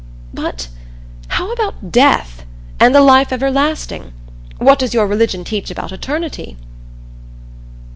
But how about death? And the life everlasting? What does your religion teach about eternity?"